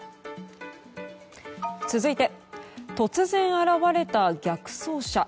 続いて突然現れた逆走車。